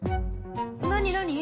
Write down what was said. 何何？